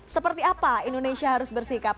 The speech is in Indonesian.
seperti apa indonesia harus bersikap